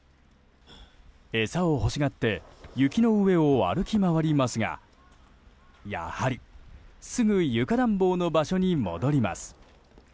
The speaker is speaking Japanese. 餌を欲しがって雪の上を歩き回りますがやはりすぐ床暖房の場所に戻ります。